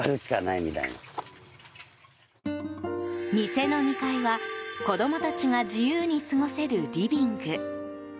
店の２階は、子供たちが自由に過ごせるリビング。